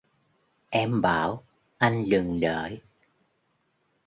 Em bảo: "Anh đừng đợi"